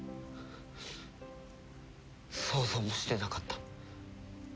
想像もしてなかった。